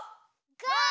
ゴー！